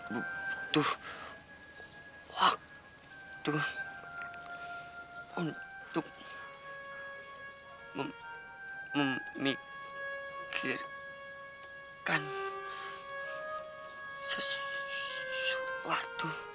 butuh waktu untuk memikirkan sesuatu